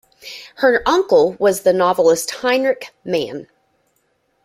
Her uncle was the novelist Heinrich Mann.